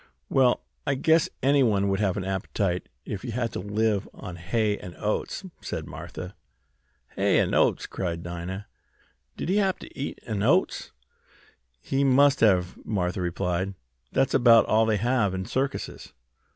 "Well, I guess anyone would have an appetite if they had to live on hay and oats," said Martha. "Hay an' oats!" cried Dinah. "Did he hab t' eat hay an' oats?" "He must have," Martha replied. "That's about all they have in circuses."